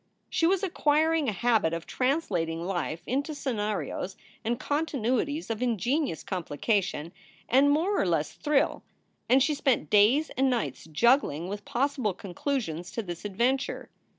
She was acquiring a habit of translating life into scenarios and continuities of ingenious complication and more or less thrill, and she spent days and nights juggling with possible conclusions to this adventure.